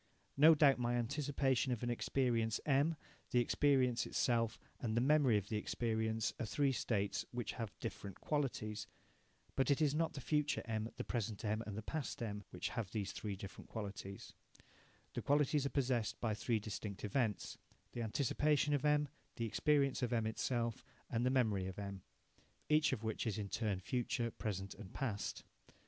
No doubt my anticipation of an experience M, the experience itself, and the memory of the experience are three states which have different qualities. But it is not the future M, the present M, and the past M, which have these three different qualities. The qualities are possessed by three distinct events the anticipation of M, the experience M itself, and the memory of M, each of which is in turn future, present, and past.